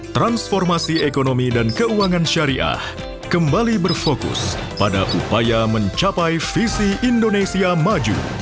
transformasi ekonomi dan keuangan syariah kembali berfokus pada upaya mencapai visi indonesia maju